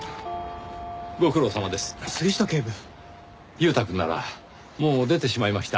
裕太くんならもう出てしまいました。